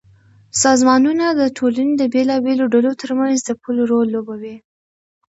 سازمانونه د ټولنې د بېلابېلو ډلو ترمنځ د پُل رول لوبوي.